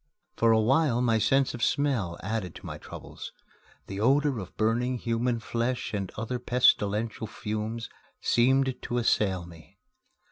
For a while my sense of smell added to my troubles. The odor of burning human flesh and other pestilential fumes seemed to assail me.